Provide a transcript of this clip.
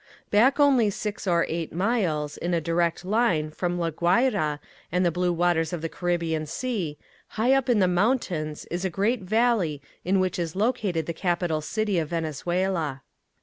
Back only six or eight miles, in a direct line, from La Guaira and the blue waters of the Caribbean sea, high up in the mountains is a great valley in which is located the capital city of Venezuela.